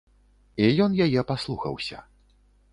І ён яе паслухаўся.